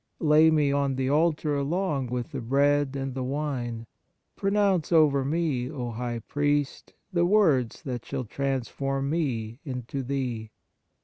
Lay me on the altar along with the bread and the wine. Pronounce over me, O High Priest, the words that shall transform me into Thee.